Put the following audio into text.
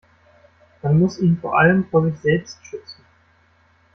Man muss ihn vor allem vor sich selbst schützen.